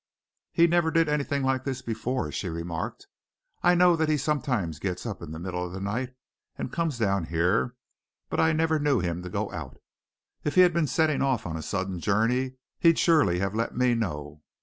"He never did anything like this before," she remarked. "I know that he sometimes gets up in the middle of the night and comes down here, but I never knew him to go out. If he'd been setting off on a sudden journey he'd surely have let me know.